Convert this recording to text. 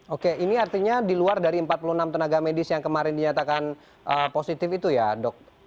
oke ini artinya di luar dari empat puluh enam tenaga medis yang kemarin dinyatakan positif itu ya dok